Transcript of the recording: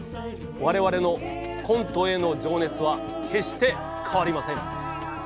我々のコントへの情熱は決して変わりません。